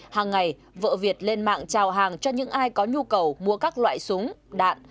hàng ngày vợ việt lên mạng trao hàng cho những ai có nhu cầu mua các loại súng đạn